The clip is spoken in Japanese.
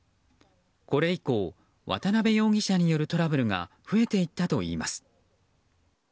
これ以降渡部容疑者によるトラブルが増えていったといいます。